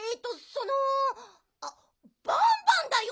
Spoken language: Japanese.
そのあっバンバンだよ！